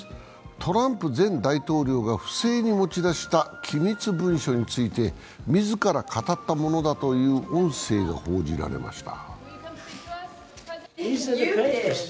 トランプ前大統領が不正に持ち出した機密文書について、自ら語ったものだという音声が報じられました。